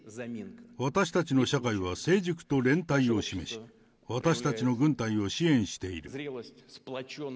私たちの社会は成熟と連帯を示し、私たちの軍隊を支援している。